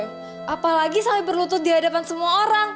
gimana lagi selalu berlutut di hadapan semua orang